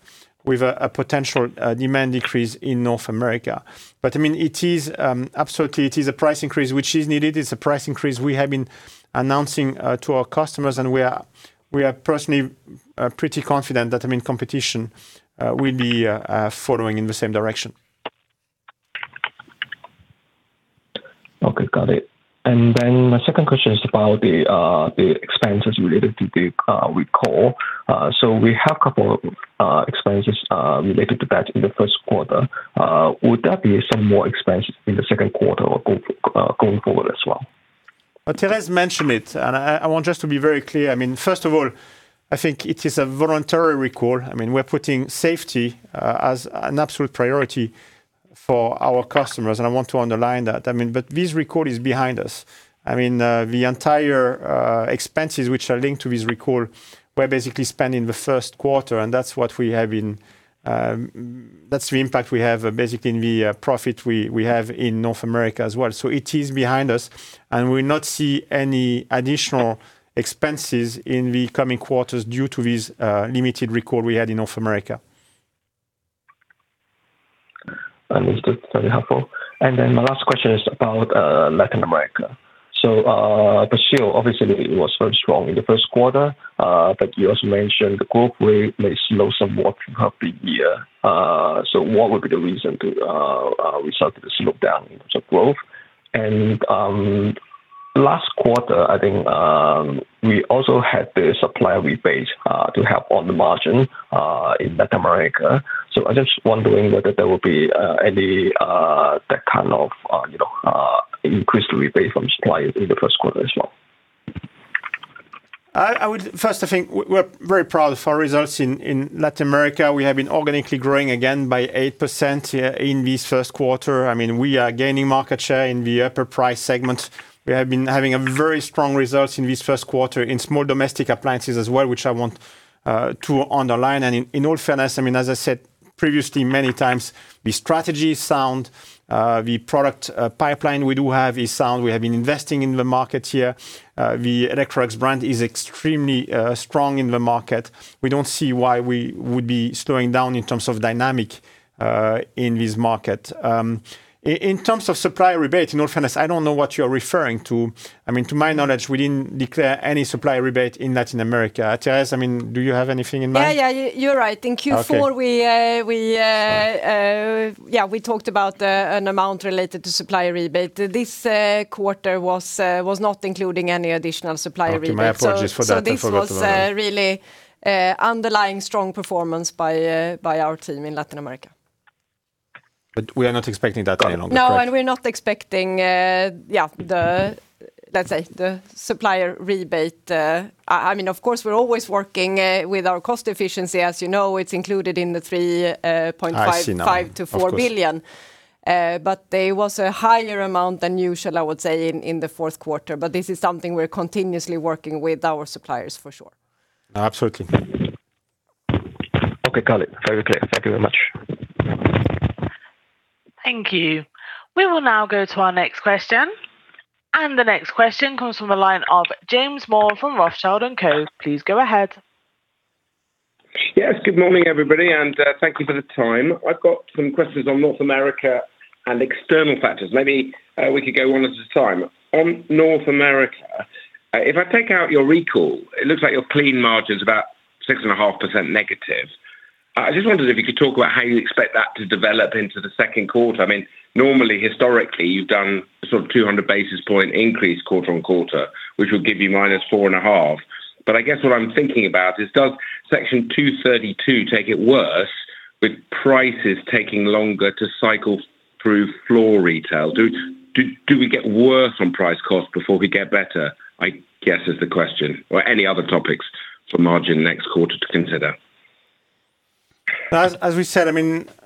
with a potential demand decrease in North America. Absolutely, it is a price increase which is needed. It's a price increase we have been announcing to our customers, and we are personally pretty confident that competition will be following in the same direction. Okay, got it. My second question is about the expenses related to the recall. We have a couple of expenses related to that in the Q1. Would there be some more expenses in the Q2 or going forward as well? Therese mentioned it, and I want just to be very clear. First of all, I think it is a voluntary recall. We're putting safety as an absolute priority for our customers, and I want to underline that. This recall is behind us. The entire expenses which are linked to this recall were basically spent in the Q1, and that's the impact we have basically in the profit we have in North America as well. It is behind us, and we'll not see any additional expenses in the coming quarters due to this limited recall we had in North America. Understood. That's very helpful. My last question is about Latin America. Brazil obviously was very strong in the Q1. You also mentioned the growth rate may slow somewhat throughout the year. What would be the reason why we started to slow down in terms of growth? Last quarter, I think, we also had the supplier rebates to help on the margin in Latin America. I'm just wondering whether there will be any, that kind of increased rebate from suppliers in the Q1 as well. First, I think we're very proud of our results in Latin America. We have been organically growing again by 8% in this Q1. We are gaining market share in the upper price segment. We have been having a very strong results in this Q1 in small domestic appliances as well, which I want to underline. In all fairness, as I said previously, many times, the strategy is sound. The product pipeline we do have is sound. We have been investing in the market here. The Electrolux brand is extremely strong in the market. We don't see why we would be slowing down in terms of dynamic in this market. In terms of supplier rebate, in all fairness, I don't know what you're referring to. To my knowledge, we didn't declare any supplier rebate in Latin America. Therese, do you have anything in mind? Yeah, you're right. Okay. In Q4, we talked about an amount related to supplier rebate. This quarter was not including any additional supplier rebate. Okay, my apologies for that. I forgot about that. This was a really underlying strong performance by our team in Latin America. We are not expecting that any longer, correct? No, we're not expecting the, let's say, the supplier rebate. Of course, we're always working with our cost efficiency. As you know, it's included in the 3.55 billion-4 billion. I see now. Of course. There was a higher amount than usual, I would say, in the Q4. This is something we're continuously working with our suppliers for sure. Absolutely. Okay, got it. Very clear. Thank you very much. Thank you. We will now go to our next question, and the next question comes from the line of James Moore from Rothschild & Co. Please go ahead. Yes, good morning, everybody, and thank you for the time. I've got some questions on North America and external factors. Maybe we could go one at a time. On North America, if I take out your recall, it looks like your clean margin's about -6.5%. I just wondered if you could talk about how you expect that to develop into the Q2. Normally, historically, you've done a sort of 200 basis points increase quarter-on-quarter, which would give you -4.5%. I guess what I'm thinking about is, does Section 232 take it worse with prices taking longer to cycle through floor retail? Do we get worse on price cost before we get better? I guess is the question, or any other topics for margin next quarter to consider? As we said,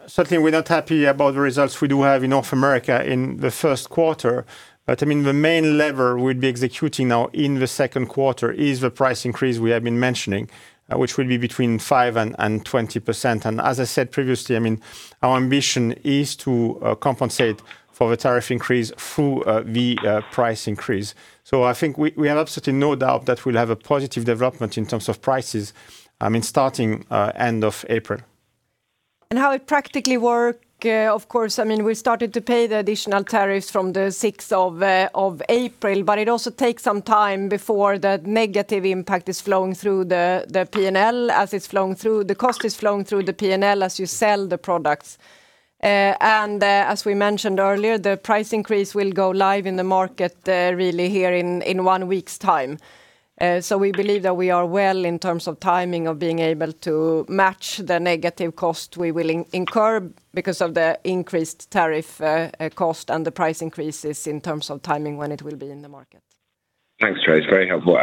certainly we're not happy about the results we do have in North America in the Q1. The main lever we'll be executing now in the Q2 is the price increase we have been mentioning, which will be between 5%-20%. As I said previously, our ambition is to compensate for the tariff increase through the price increase. I think we have absolutely no doubt that we'll have a positive development in terms of prices, starting end of April. How it practically work, of course, we started to pay the additional tariffs from the 6th of April, but it also takes some time before the negative impact is flowing through the P&L, as it's flowing through. The cost is flowing through the P&L as you sell the products. As we mentioned earlier, the price increase will go live in the market really here in one week's time. We believe that we are well in terms of timing, of being able to match the negative cost we will incur because of the increased tariff cost and the price increases in terms of timing when it will be in the market. Thanks, Therese. Very helpful.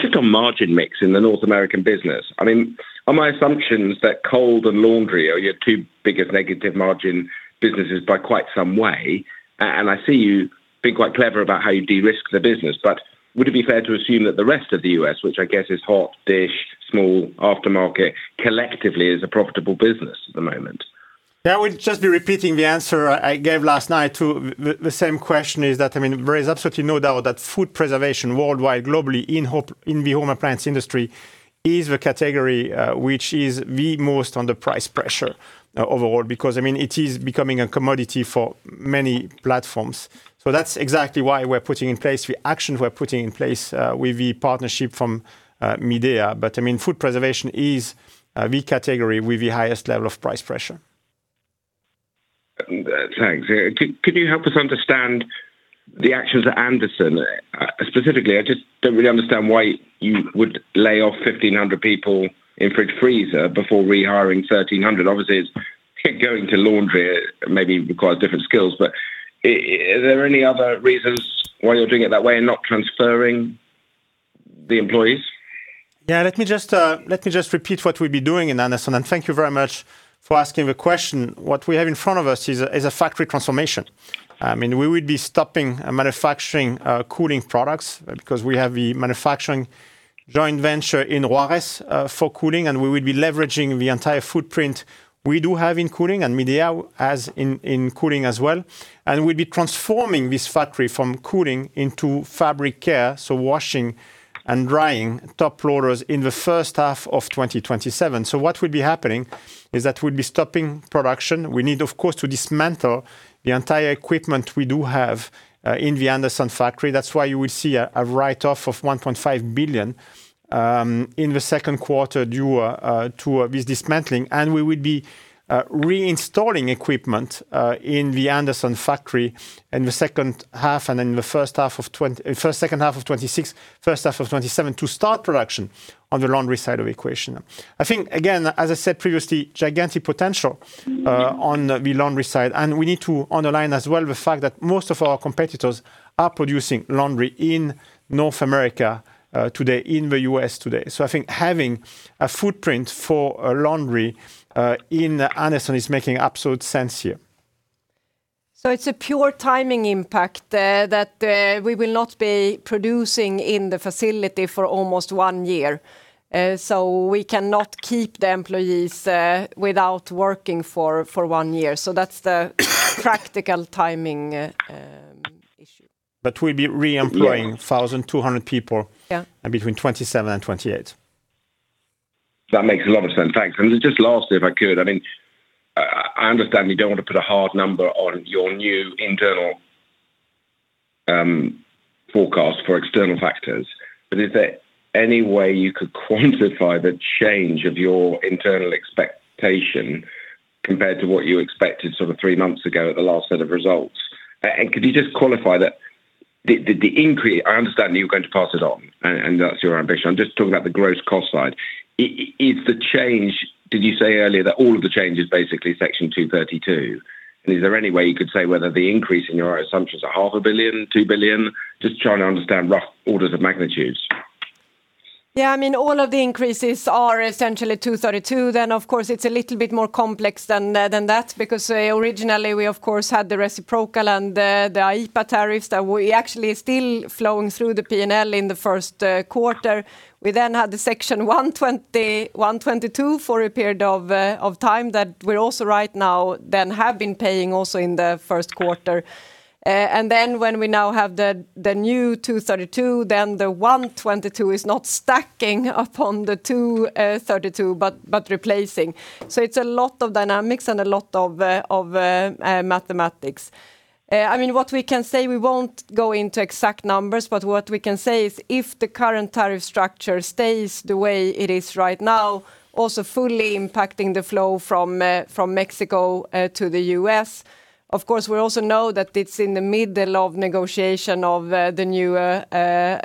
Just on margin mix in the North American business. Are my assumptions that cold and laundry are your two biggest negative margin businesses by quite some way? I see you being quite clever about how you de-risk the business, but would it be fair to assume that the rest of the U.S., which I guess is hot, dish, small, aftermarket, collectively is a profitable business at the moment? Yeah, I would just be repeating the answer I gave last night to the same question, is that there is absolutely no doubt that food preservation worldwide, globally in the home appliance industry is the category which is the most under price pressure overall. It is becoming a commodity for many platforms. That's exactly why we're putting in place the actions with the partnership from Midea. Food preservation is the category with the highest level of price pressure. Thanks. Could you help us understand the actions at Anderson? Specifically, I just don't really understand why you would lay off 1,500 people in fridge freezer before rehiring 1,300. Obviously, going to laundry maybe requires different skills, but are there any other reasons why you're doing it that way and not transferring the employees? Yeah, let me just repeat what we've been doing in Anderson, and thank you very much for asking the question. What we have in front of us is a factory transformation. We will be stopping manufacturing cooling products because we have the manufacturing joint venture in Juarez for cooling, and we will be leveraging the entire footprint we do have in cooling, and Midea has in cooling as well. We'll be transforming this factory from cooling into fabric care, so washing and drying top loaders in the H1 of 2027. What will be happening is that we'll be stopping production. We need, of course, to dismantle the entire equipment we do have in the Anderson factory. That's why you will see a write-off of 1.5 billion in the Q2 due to this dismantling. We will be reinstalling equipment in the Anderson factory in the H2 and then H2 of 2026, H1 of 2027 to start production on the laundry side of equation. I think, again, as I said previously, gigantic potential on the laundry side, and we need to underline as well the fact that most of our competitors are producing laundry in North America today, in the U.S. today. I think having a footprint for laundry in Anderson is making absolute sense here. It's a pure timing impact that we will not be producing in the facility for almost one year. We cannot keep the employees without working for one year. That's the practical timing issue. We'll be reemploying 1,200 people. Yeah Between 2027 and 2028. That makes a lot of sense. Thanks. Just lastly, if I could, I understand you don't want to put a hard number on your new internal forecast for external factors, but is there any way you could quantify the change of your internal expectation compared to what you expected three months ago at the last set of results? Could you just qualify the increase? I understand that you're going to pass it on, and that's your ambition. I'm just talking about the gross cost side. Did you say earlier that all of the change is basically Section 232? Is there any way you could say whether the increase in your assumptions are SEK half a billion, two billion? Just trying to understand rough order of magnitude. Yeah. All of the increases are essentially 232. Of course, it's a little bit more complex than that because originally we, of course, had the reciprocal and the IEEPA tariffs that were actually still flowing through the P&L in the Q1. We then had the Section 232 for a period of time that we're also right now then have been paying also in the Q1. When we now have the new 232, then the 232 is not stacking upon the 232, but replacing. It's a lot of dynamics and a lot of mathematics. We won't go into exact numbers, but what we can say is if the current tariff structure stays the way it is right now, also fully impacting the flow from Mexico to the U.S., of course, we also know that it's in the middle of negotiation of the new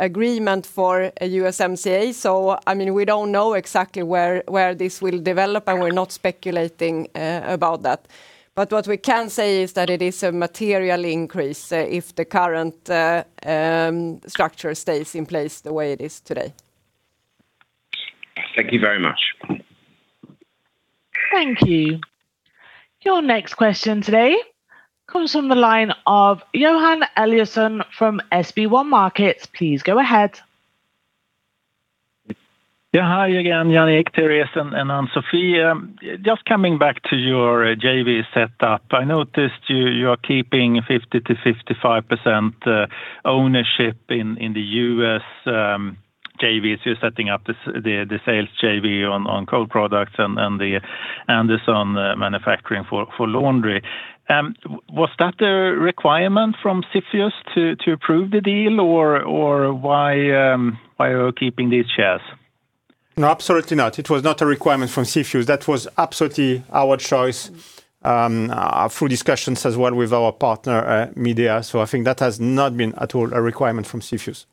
agreement for a USMCA. We don't know exactly where this will develop, and we're not speculating about that. What we can say is that it is a material increase, if the current structure stays in place the way it is today. Thank you very much. Thank you. Your next question today comes from the line of Johan Eliason from SpareBank 1 Markets. Please go ahead. Yeah. Hi again, Yannick, Therese, and Ann-Sofi. Just coming back to your JV setup, I noticed you are keeping 50%-55% ownership in the U.S. JVs. You're setting up the sales JV on cold products and this on manufacturing for laundry. Was that a requirement from CFIUS to approve the deal, or why are you keeping these shares? No, absolutely not. It was not a requirement from CFIUS. That was absolutely our choice through discussions as well with our partner, Midea. I think that has not been at all a requirement from CFIUS.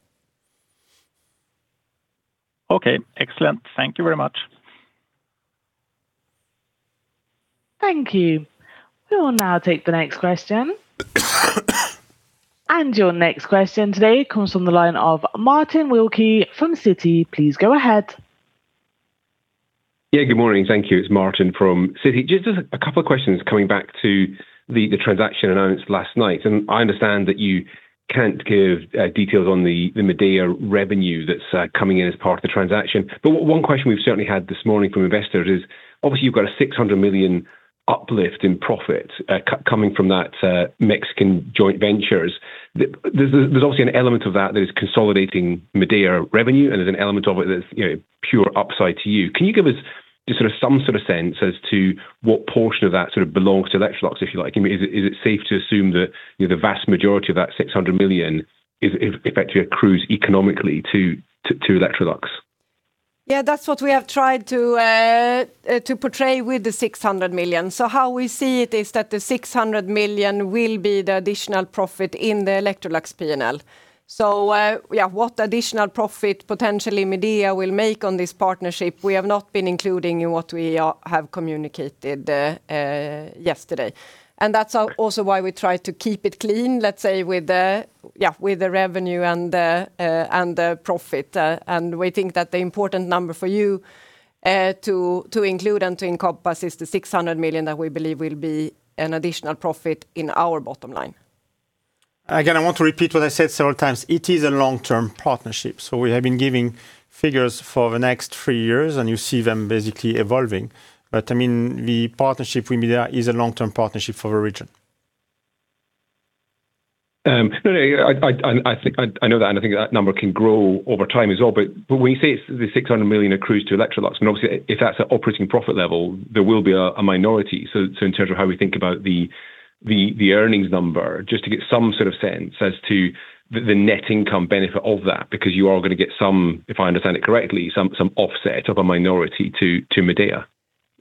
Okay. Excellent. Thank you very much. Thank you. We will now take the next question. Your next question today comes from the line of Martin Wilkie from Citi. Please go ahead. Yeah, Good morning. Thank you. It's Martin from Citi. Just a couple of questions coming back to the transaction announced last night, and I understand that you can't give details on the Midea revenue that's coming in as part of the transaction. One question we've certainly had this morning from investors is, obviously you've got a 600 million uplift in profit coming from that Mexican joint ventures. There's obviously an element of that that is consolidating Midea revenue, and there's an element of it that's pure upside to you. Can you give us some sort of sense as to what portion of that belongs to Electrolux, if you like? I mean, is it safe to assume that the vast majority of that 600 million effectively accrues economically to Electrolux? Yeah, that's what we have tried to portray with the 600 million. How we see it is that the 600 million will be the additional profit in the Electrolux P&L. Yeah, what additional profit potentially Midea will make on this partnership, we have not been including in what we have communicated yesterday. That's also why we try to keep it clean, let's say, with the revenue and the profit. We think that the important number for you to include and to encompass is the 600 million that we believe will be an additional profit in our bottom line. Again, I want to repeat what I said several times. It is a long-term partnership, so we have been giving figures for the next three years, and you see them basically evolving. The partnership with Midea is a long-term partnership for the region. No, I know that, and I think that number can grow over time as well. When you say the 600 million accrues to Electrolux, and obviously, if that's an operating profit level, there will be a minority. In terms of how we think about the earnings number, just to get some sort of sense as to the net income benefit of that, because you are going to get some, if I understand it correctly, some offset of a minority to Midea.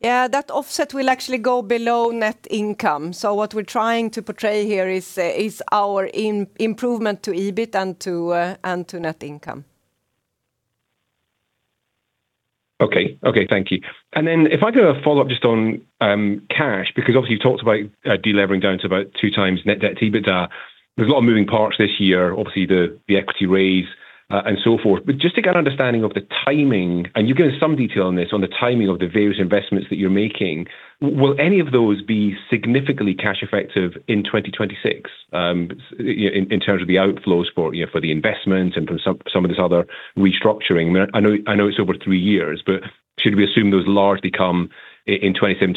Yeah, that offset will actually go below net income. What we're trying to portray here is our improvement to EBIT and to net income. Okay. Thank you. Then if I could have a follow-up just on cash, because obviously you talked about delivering down to about 2x net debt to EBITDA. There's a lot of moving parts this year. Obviously, the equity raise and so forth. Just to get an understanding of the timing, and you go in some detail on this, on the timing of the various investments that you're making, will any of those be significantly cash effective in 2026? In terms of the outflows for the investments and for some of this other restructuring, I know it's over three years, but should we assume those largely come in 2027,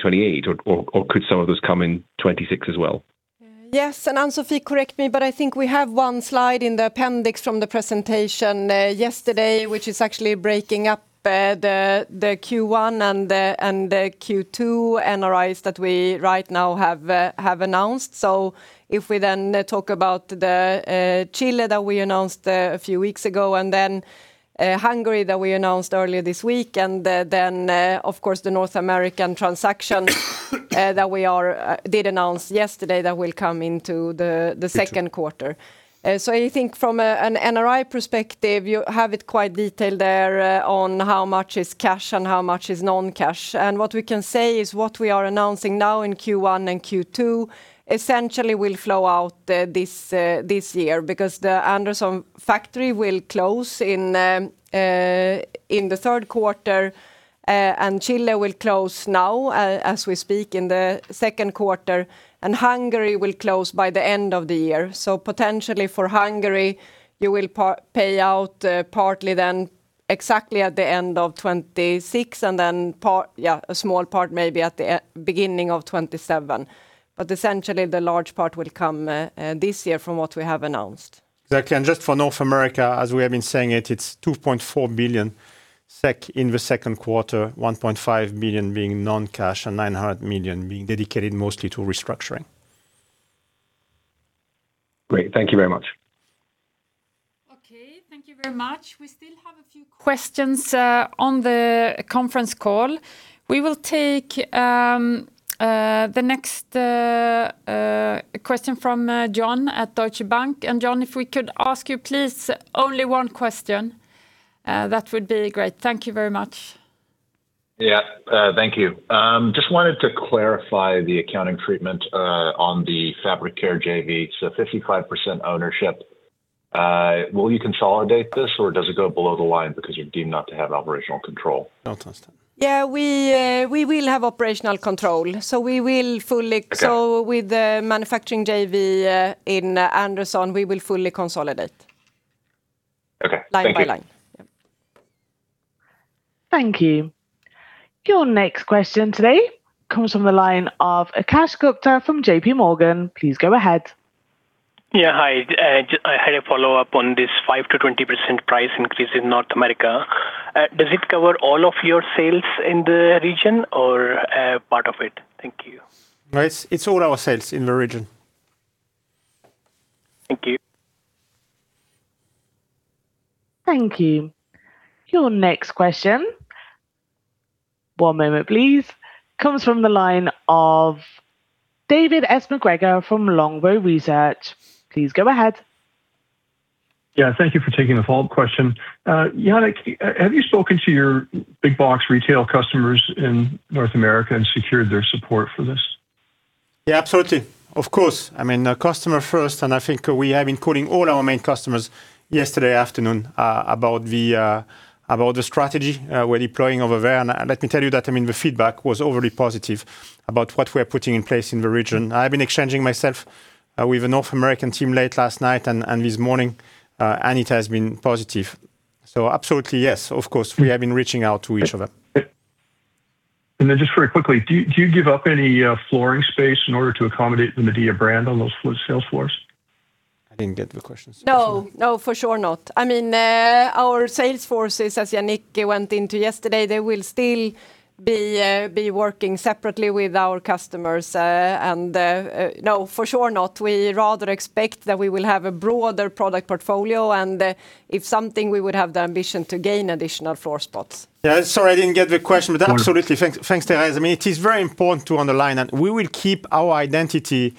2028? Could some of those come in 2026 as well? Yes, Ann-Sofi, correct me, but I think we have one slide in the appendix from the presentation yesterday, which is actually breaking up the Q1 and the Q2 NRIs that we right now have announced. If we then talk about the Chile that we announced a few weeks ago, and then Hungary that we announced earlier this week, and then of course, the North American transaction that we did announce yesterday that will come into the Q2. I think from an NRI perspective, you have it quite detailed there on how much is cash and how much is non-cash. What we can say is what we are announcing now in Q1 and Q2 essentially will flow out this year because the Anderson factory will close in the Q3, and Chile will close now as we speak in the Q2, and Hungary will close by the end of the year. Potentially for Hungary, you will pay out partly then exactly at the end of 2026, and then a small part maybe at the beginning of 2027. Essentially the large part will come this year from what we have announced. Exactly. Just for North America, as we have been saying it's 2.4 billion SEK in the Q2, sek 1.5 million being non-cash and 900 million being dedicated mostly to restructuring. Great. Thank you very much. Okay. Thank you very much. We still have a few questions on the conference call. We will take the next question from John Kim at Deutsche Bank. John, if we could ask you please only one question, that would be great. Thank you very much. Yeah. Thank you. Just wanted to clarify the accounting treatment on the Fabric Care JV. 55% ownership, will you consolidate this or does it go below the line because you're deemed not to have operational control? I'll answer. Yeah. We will have operational control. We will fully with the manufacturing JV, in Anderson, we will fully consolidate line by line. Okay. Thank you. Thank you. Your next question today comes from the line of Akash Gupta from JPMorgan. Please go ahead. Yeah. Hi, I had a follow-up on this 5%-20% price increase in North America. Does it cover all of your sales in the region or part of it? Thank you. No, it's all our sales in the region. Thank you. Thank you. Your next question, one moment please, comes from the line of David MacGregor from Longbow Research. Please go ahead. Yeah. Thank you for taking the follow-up question. Yannick, have you spoken to your big box retail customers in North America and secured their support for this? Yeah, absolutely. Of course, customer first, and I think we have been calling all our main customers yesterday afternoon, about the strategy we're deploying over there. Let me tell you that, the feedback was overly positive about what we're putting in place in the region. I've been exchanging myself with the North American team late last night and this morning, and it has been positive. Absolutely, yes, of course, we have been reaching out to each other. Just very quickly, do you give up any flooring space in order to accommodate the Midea brand on those sales floors? I didn't get the question. No, for sure not. Our sales forces as Yannick went into yesterday, they will still be working separately with our customers, and, no, for sure not. We rather expect that we will have a broader product portfolio and if something, we would have the ambition to gain additional floor spots. Yeah. Sorry, I didn't get the question. Absolutely. Thanks, Therese. It is very important to underline that we will keep our identity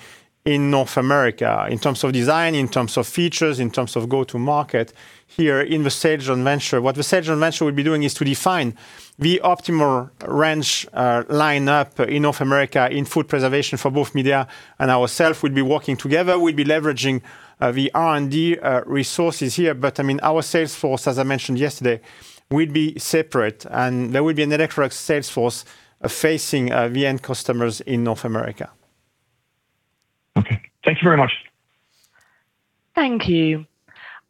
in North America in terms of design, in terms of features, in terms of go-to-market here in the Sales JV. What the Sales JV will be doing is to define the optimal range or lineup in North America in food preservation for both Midea and ourselves. We'll be working together. We'll be leveraging the R&D resources here. Our sales force, as I mentioned yesterday, will be separate and there will be an Electrolux sales force facing end customers in North America. Okay. Thank you very much. Thank you.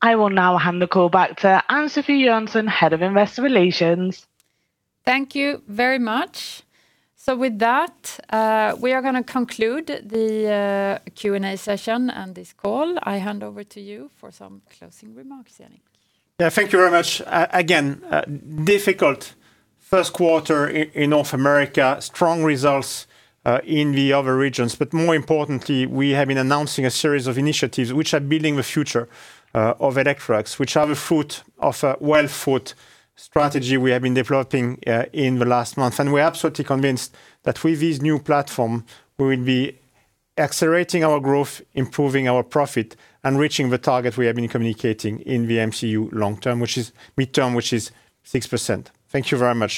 I will now hand the call back to Ann-Sofi Jönsson, Head of Investor Relations. Thank you very much. With that, we are going to conclude the Q&A session and this call. I hand over to you for some closing remarks, Yannick. Yeah. Thank you very much. Again, difficult Q1 in North America. Strong results in the other regions. More importantly, we have been announcing a series of initiatives which are building the future of Electrolux, which are the fruit of a well-thought strategy we have been developing in the last month. We're absolutely convinced that with this new platform, we will be accelerating our growth, improving our profit, and reaching the target we have been communicating in the midterm, which is 6%. Thank you very much.